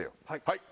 はい。